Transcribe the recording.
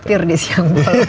iya petir di siang